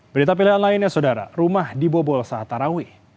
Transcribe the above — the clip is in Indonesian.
berita pilihan lainnya saudara rumah dibobol saat tarawih